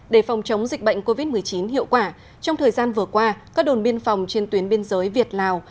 để phòng chống dịch bệnh covid một mươi chín hiệu quả trong thời gian vừa qua các đồn biên phòng trên tuyến biên giới việt lào